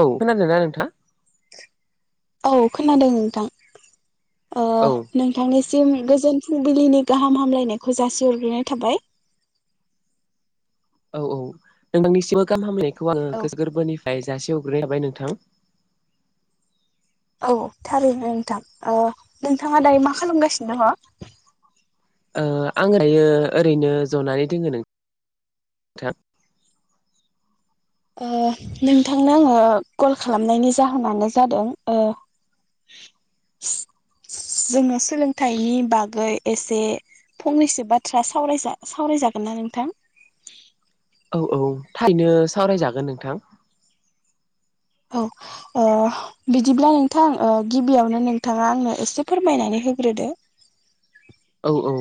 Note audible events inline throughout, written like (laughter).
औ खोनादोंना नोंथां? औ खोनादों नोंथां। ओ औ नोंथांनि सिम गोजोन फुंबिलिनि गाहाम हामलायनायखौ जासिहरग्रोनाय थाबाय। औ औ नोंथांनिसिमबो गाहाम हामलायनायखौ आङो औ गो गोरबोनिफ्राय जासे हग्रोनाय हाबाय नोंथां। औ थारैनो नोंथां नोंथाङा दायो मा खालामगासिनो दङ? आं दायो ओरैनो जनानै दोङो नों नोंथांनो आङो कल खालामनायनि जाहोनानो जादों जोंनो सोलोंथाइनि बागै एसे फंनैसो बाथ्रा सावरायजागोन ना नोंथां औ औ थाइनो सावरायजागोन नोंथां। औ अ बिदिब्ला नोंथां ओ गिबियावनो नोंथाङा आंनो एसे फोरमायनानै होग्रोदो। औ औ ओ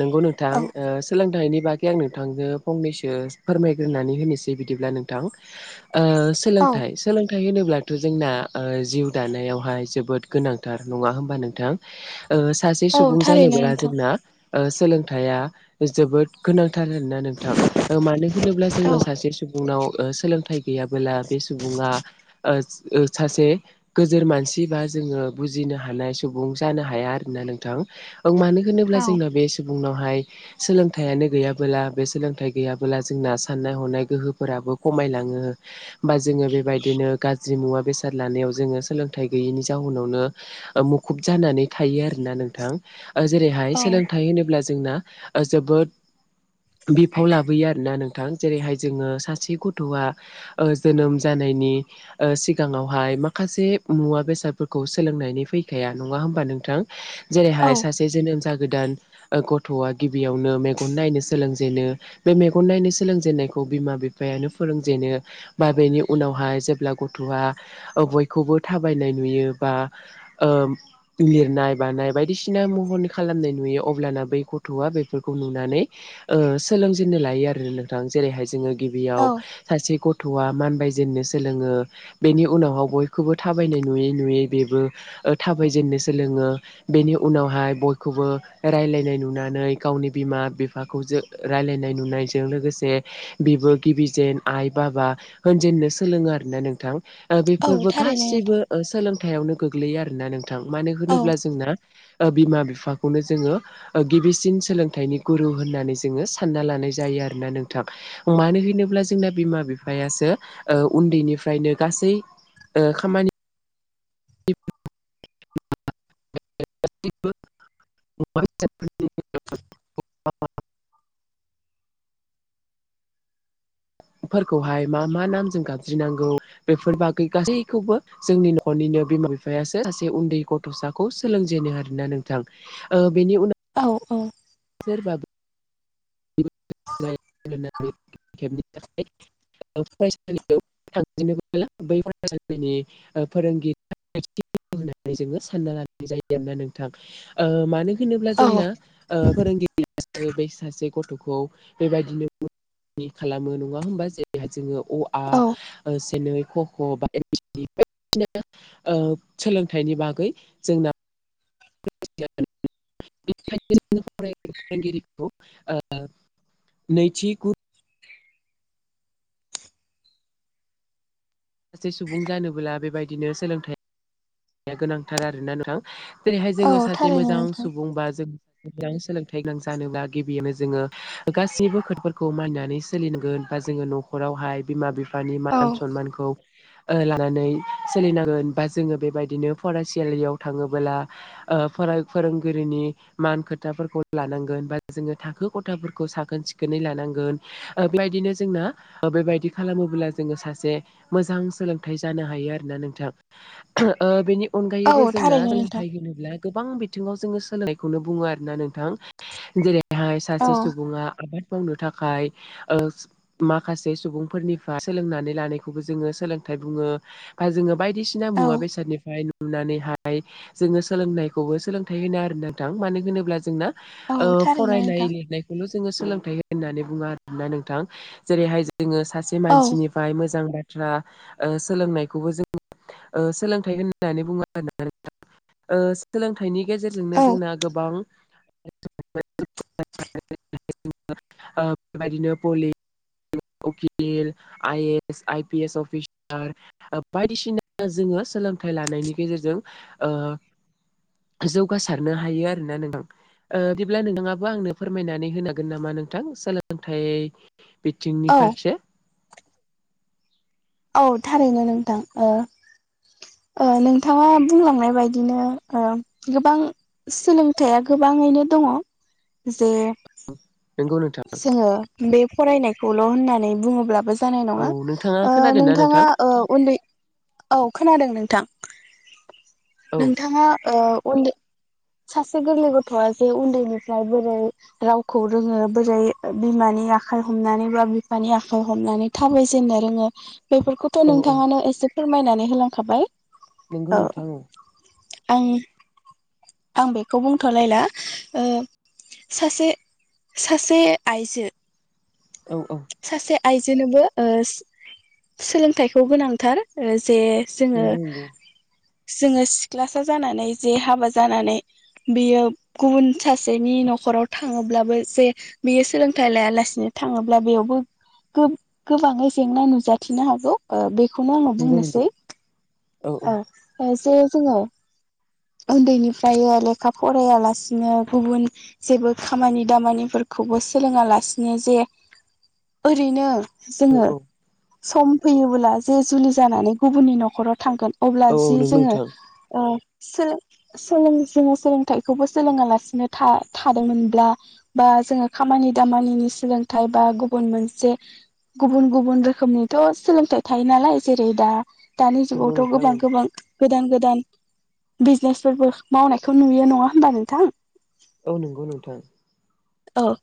नंगौ नोंथां औ ओ सोलोंथाइनि बागै आं नोंथांजों फंनैसो फोरमायग्रोनानै होनोसै बिदिब्ला नोंथां सोलोंथाइ सोलोंथाइ होनोब्लाथ' जोंना जिउ दानायावहाय जोबोद गोनांथार नङा होमबा नोंथां सासे औ सुबुं थारैनो जानोब्ला नोंथां। जोंना सोलोंथाइया जोबोद गोनांथार आरोना नोंथां मानो होनोब्ला औ जोंनाव सासे सुबुंनाव सोलोंथाइ गैयाबोला बे सुबुङा सासे गोजोर मानसि बा जोङो बुजिनो हानाय सुबुं जानो हाया आरोना नोंथां औ मानो होनोब्ला औ जोंना बे सुबुंनावहाय सोलोंथाइयानो गैयाबोला बे सोलोंथाइ गैयाबोला जोंना साननाय हनाय गोहोफोराबो खमायलाङो बोमा जोङो बेबायदिनो गा जि मुवा बेसाद लानायाव जोङो सोलोंथाइ गैयैनि जाहोनावनो मुखुब जानानै थायो आरो ना नोंथां ओ औ जेरैहाय सोलोंथाइ होनोब्ला जोंना जोबोद बिफाव लाबोयो आरोना नोंथां जेरैहाय जोङो सासे गथ'आ जोनोम जानायनि ओ सिगाङावहाय माखासे मुवा बेसादफोरखौ सोलोंनायनि फैखाया नङा होमबा नोंथां जेरैहाय औ सासे जोनोम ज गोदान ओ गथ'आ गिबियावनो मेगन नायनो सोलोंजेनो बे मेगन नायनो सोलोंजेनन्नायखौ बिमा बिफायानो फोरोंजेनो बा बेनि उनावहाय जेब्ला गथ'आ बयखौबो थाबायनाय नुयो बा ओ लिरनाय बानाय बायदिसिना सिना महन खालामनाय नुयो अब्लाना बै गथ'आ बेफोरखौ नुनानै सोलोंजेननो लायो आरो नोंथां जेरैहाय जोङो गिबियाव औ सासे गथ'आ मानबायजेननो सोलोङो बेनि उनावह बयखौबो थाबायनाय नुयै नुयै बेबो थाबायजेननो सोलोङो बेनि उनावहाय बयखौबो राय्लायनाय नुनानै गावनि बिमा बिफाखौ ज राय्लायनाय नुनायजों लोगोसे बेबो गिबि जेन आइ बाबा होनजेननो सोलोङो आरोोना नोंथां औ बेफोरबो थारैनो नोंथां गासैबो सोलोंथायाइआवनो गोग्लैयो आर ना नोंथां मानो औ होनोब्ला जोंना बिमा बिफाखौनो जोङो गिबिसिन सोलोंथाइनि गुरु होननानै जोङो सानना लानाय जायो आरोना नों थां मानो होनोब्ला जोंना बिमा बिफायासो उन्दैनिफ्रायनो गासै खामानि गप भ (inaudible) फोरखौहाय मा मा नामजों गाबज्रिनांगौ बेफोर बागै गासैखौबो जोंनि न'खरनिनो बिमा बिफायासो सासे उन्दै गथ'साखौ सोलोंजेनो आर ना नोंथां ओ बेनि उनाव औ औ (inaudible) (inaudible) थांनोबोला बै फरायसालिनि फोरोंगिरि जो सानना लानाय जायो आरोना नोंथां। ओ मानो होनोब्ला औ जोंना फोरोंगिरियासो बे सासे ग थ'खौ बेबायदिनो मा खालामो नङा होमबा जेरै जोङो अ आ औ से नै क ख' बायदिसिफोरदिनो ओ सोलोंथाइनि बागै जोंना (inaudible) नैथि गुद सासे सुबुं जानोबोला बेबायदिनो सोलोंथाइया गोनांथार आरोना नोंथां। जेरैहाय औ जोङो सासे थारैनो मोजां नोंथां सुबुं बा जों मोजां सोलोंथाइ गोनां जानोब्ला गिबियावनो जोङो गासैबो खोदफोरखौ मानिनानै सोलिनांगोन बा जोङो न खरावहाय बिमा बिफा बिफानि औ मान सनमानखौ लानानै सोलिनांगोन बा जोङो बेबायदि बिदिनो फरायसालियाव थाङोबोला ओ फोरोंगिरिनि मान खोथाफोरखौ लानांगोन बा जोङो थाखो खथाफोरखौ साखोन सिखोनै लानांगोन बेबायदिनो जोंना बेबायदि खालामोब्ला जोङो सासे मोजां सोलोंथाइ जानो हायो आरोना नोंथां। बेनि अनगायैबो औ जोंना थारैनो नोंथां सोलोंथाइ होनोब्ला गोबां बिथिङाव जोङो सोलोंनायखौनो बुङो आरोना नोंथां जेरै बेहाय औ सासे सुबुङा आबाद मावनो थाखाय माखासे सुबुंफोरनिफ्राय सोलोंनानै लानायखौबो जोङो सोलोंथाइ बुङो, बा जो बायदिसिना औ मुवा बेसाद नुनानैहाय जोङो सोलोंनायखौबो सोलोंथाइ होनो आरो नोंथां। मानो होनोब्ला जोंना औ ओ थारैनो फरायनाय नोंथां लिरनायखौ नो जोङो सोलोंथाइ होननानै बुङो आरो ना नोंथां। जेरैहाय जोङो सासे औ मानसिनि मोजां बाथ्रा सोलोंनायखौबो जों सोलोंथाइ होननानै बुङो। सोलोंथाइनि गेजेरजोंनो औ जोंना गोबां (inaudible) उकिल, I S, I P S officer, बायदिसिना जोङो सोलोंथाइ लानायनि गेजेरजों ओ जौगासारनो हायो आरोना नोंथां। ओ बिदिब्ला नोंथाङाबो आंनो फोरमायनानै होनो हागोन नामा नोंथां सोलोंथाइ बिथिंनि औ फारसे, औ थारैनो नोंथां औ। नोंथाङा बुंलांनाय बायदिनो ओ गोबां सोलोंथाइया गोबाङैनो दङ' जे नंगौ नोंथां जोङो बे फरायनायखौल' होननानै बुङोब्लाबो जानाय औ नङा नोंथाङा ओ खोनादोंना नोंथाङा नोंथां ओ उन्दै औ खोनादों नोंथां औ नोंथाङा ओ उन्दै सासे गोरलै गथ'आ जे उन्दैनिफ्राय बोरै रावखौ रोङो बोरै बिमानि आखाइ हमनानै बा बिफानि आखाइ हमनानै थाबाय जेननो रोङो बेफोरखौथ' औ औ नोंथाङानो एसे फोरमायनानै होलांखाबाय नोंगौ नोंथां औ। आं आं बेखौ बुंथ'लायला ओ सासे सासे आइजो औ औ सासे आइजोनोबो सोलोंथाइखौ गोनांथार जे जोङो नंगौ नंगौ जोङो सिख्लासा जानानै जे हाबा जानानै बियो गुबुन सासेनि न'खराव थाङोब्लाबो जे बेयो सोलोंथाइ लायालासिनो थाङोब्ला बेयाव बो गोब गोबाङै जेंना नुजाथिनो हागौ बेखौनो आङो नंगौ नंगौ बुंनोसै औ औ ओ एसे जोङो उन्दैनिफ्राय लेखा फरायालासिनो गुबुन जेबो खामानि दामानिफोरखौबो सोलोङालासिनो जे ओरैनो औ जोङो औ सम फैयोबोला जे जुलि जानानै गुबुननि न'खराव थांगोन अब्ला औ जि नंगौ जोङो नोंथां ओ सोलो सोलों जोङो सोलोंथाइखौबो सोलोङालासिनो था-थादोंमोनब्ला बा जोङो खामानि दामानिनि सोलोंथाइ बा गुबुन मोनसे गुबुन गुबुन रोखोमनिथ' सोलोंथाइ थायो नालाय जेरै दा दानि नंगौ जुगावथ' नोंथां औ गोबां गोबां गोदान गोदान बिजनेसफोरबो मावनायखौ नुयो नङा होमबा नोंथां औ नंगौ नोंथां औ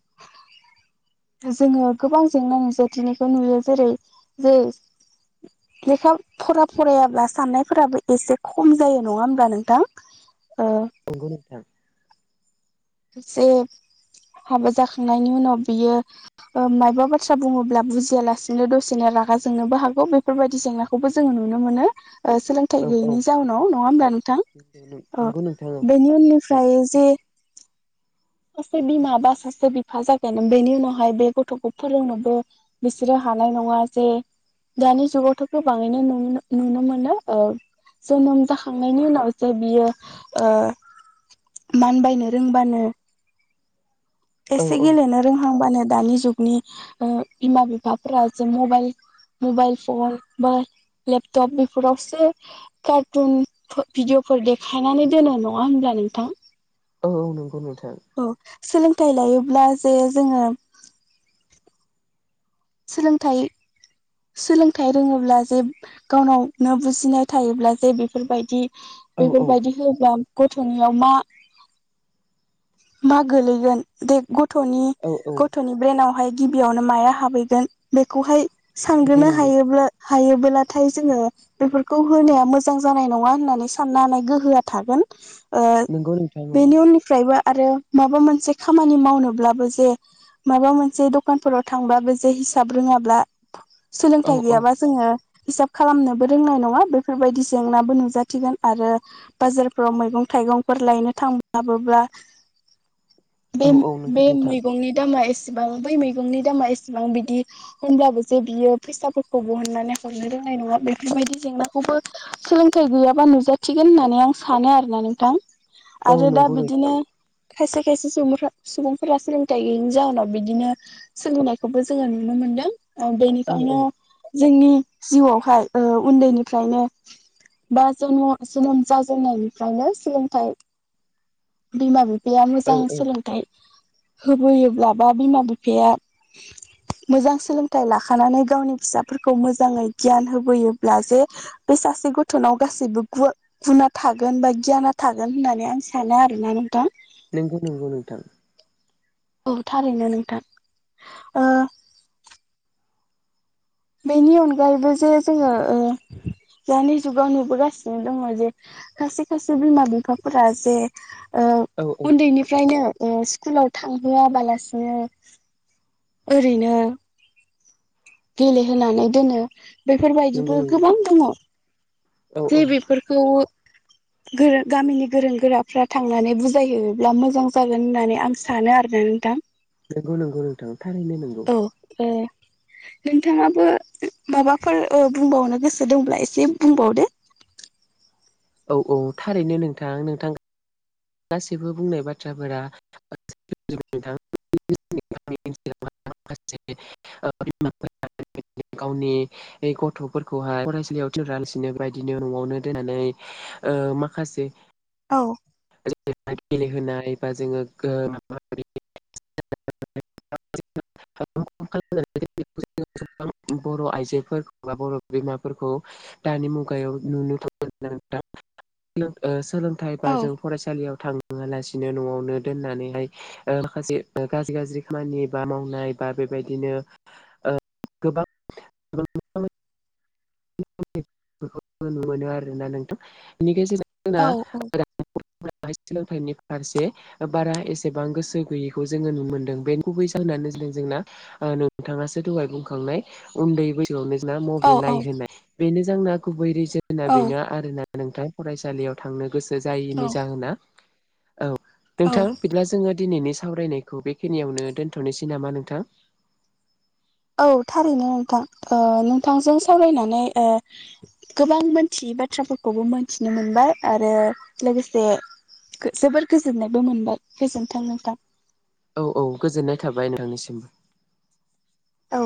जोङो गोबां जेंना नुजाथिनायखौ नुयो जेरै जे लेखा फरा फरायाब्ला साननायफोराबो एसे खम जायो नङा होमब्ला नोंथां ओ नंगौ नोंथां जे हाबा जाखांनायनि उनाव बियो ओ मायबा बाथ्रा बुङोब्ला बुजियालासिनो दसेनो रागा जोंनोबो हागौ बेफोरबायदि जेंनाखौ खौबो जों नुनो मोनो ओ सोलों- थाइ औ औ गैयैनि जाउनाव नङा हब्ला नोंथां ओ नंगौ नोंथां बेनि उननिफ्राय जे सासे बिमा बा सासे बिफा जागोन बेनि उनावहाय बे गथ'खौ फोरोंनोबो बिसोरो हानाय नङा जे दानि जुगावथ' गोबाङैनो नुनो नुनो मोनो ओ जोनोम जाखांनायनि उनाव जे बियो ओ मानबायनो रोंबानो औ एसे औ गेलेनो रोंहांबानो दानि जुगनि ओ बिमा बिफाफोरा जे मबाइल मबाइल फन बा लेपटप बेफोरावसो कार्टुन भिडिअफोर देखायनानै दोनो नङा होनब्ला नोंथां औ औ नंगौ नोंथां औ सोलोंथाइ लायोब्ला जे जोङो सोलोंथाइ सोलोंथाइ रोङोब्ला जे गावनावनो बुजिनाय थायोब्ला जे बेफोरबायदि औ औ बेफोरबायदि होब्ला गथ'नियाव मा मा गोलैगोन दे गथ'नि औ औ गथ'नि ब्रेनावहाय गिबियावनो माया हाबैगोन बेखौहाय नंगौ सानग्रोनो नंगौ हायोब्ला हायोबोब्लाथाय जोङो बेफोरखौ होनाया मोजां जानाय नङा होननानै साननो हानाय गोहोआ थागोन ओ नंगौ नोंथां औ बेनि उननिफ्रायबो आरो माबा मोनसे खामानि मावनोब्लाबो जे माबा मोनसे दखानफोराव थांबाबो जे हिसाब रोङाब्ला सोलोंथाइ औ गैयाबा जोङो हिसाब खालामनोबो रोंनाय नङा बेफोरबायदि जेंनाबो नुजाथिगोन आरो बाजारफोराव मैगं थाइगंफोर लायनो थांबाबोब्ला औ बे औ नंगौ बे नोंथां मैगंनि दामा एसेबां बै मैगंनि दामा एसेबां बिदि होनब्लाबो जे बियो फैसाफोरखौ बहननानै हरनो रोंनाय नङा बेफोरबायदि जेंनाखौबो सोलोंथाइ गैयाबा नुजाथिगोन होननानै आं सानो आरोना नोंथां औ आरो दा नंगौ नोंथां बिदिनो खायसे खायसे सुबुंफोरा सुबुंफोरा सोलोंथाइ गैयैनि जाहोनाव बिदिनो सोलोंनायखौबो जोङो नुनो मोनदों औ औ बेनिखायनो जोंनि जिउआवहाय ओ उन्दैनिफ्रायनो बा जन जोनोम जाजेननायनिफ्रायनो सोलोंथाइ बिमा बिफाया औ मोजां औ सोलोंथाइ होबोयोब्ला बा बिमा बिफाया (inaudible) मोजां सोलोंथाइ लाखानानै गावनि फिसाफोरखौ मोजाङै गियान होबोयोब्ला जे बे सासे गथ'नाव गासैबो गु-गुना थागोन बा गियाना थागोन होननानै आं सानो आरो नंगौना नोंथां? नोंगौ नोंगौ नोंथां औ थारैनो नोंथां ओ बेनि अनगायैबो जे जोङो ओ दानि जुगाव नुबोगासिनो दङ जे खायसे खायसे बिमा बिफाफोरा जे ओ औ औ उन्दैनिफ्रायनो ओ स्कुलाव थांहोआबालासिनो ओरैनो गेलेहोनानै दोनो नंगौ बेफोरबायदिबो नंगौ गोबां दङ औ जे औ बेफोरखौ गोरों गामिनि गोरों गोराफ्रा थांनानै बुजायहैयोब्ला मोजां जागोन होननानै आं सानो आरोना नोंथां। नोंगौ नोंगौ नोंथां थारैनो नोंगौ। अके। नोंथाङाबो माबाफोर बुंबावनो गोसो दंब्ला एसे बुंबावदो औ औ थारैनो नोंथां नोंथां गासिबो बुंनाय बाथ्राफोरा (unintelligible) माखासे बि (unintelligible) गावनि गथ'फोरखौहाय फरायसालियाव थिनहरालासिनो बदिनो न'आवनो दोननानै ओ माखासे औ जेरैबा गेलेहोनाय बा जोङो गो माबा माबि (inaudible) (unintelligible) गोबां बर' आइजोफोरखौ बा बर' बिमाफोरखौ दानि मुगायाव नुनो मोनो नोंथआं ओ सोलोंथाइ औ बाजौ फरायसालियाव थांहोआलासिनो न'आवनो दोननानैहाय ओ माखासे गाज्रि गाज्रि खामानि बा मावनाय बा बेबायदिनो ओ गोबां (inaudible) (unintelligible) नुनो मोनो आरोना नोंथां बेनि गेजेरजों जोंना औ औ। (unintelligible) सोलोंथाइनि फारसे ओ बारा एसेबां गोसो गैयैखौ जोङो नुनो मोन्दों बे गुबै जाहोननानो जादों जोंना ओ नोंथाङासो दहाय बुंखांनाय उन्दै बैसो मबाइल औ नायहोनाय बेनो जोंना गुबै रिजोना औ बेनो आरोना नोंथां फरायसालियाव थांनो गोसो जायैनि औ जाहोना औ औ नोंथां बिदिब्ला जोङो दिनैनि सावरायनायखौ बेखिनियावनो दोनथनोसै नामा नोंथां। औ थारैनो नोंथां ओ नोंथांजों सावरायनानै ओ गोबां मोनथियै बाथ्राफोरखौबो मोनथिनो मोनबाय आरो लोगोसे जोबोर गोजोननायबो मोनबाय गोजोनथों नोंथां। औ औ गोजोननाय थाबाय नोंथांनिसिमबो। औ।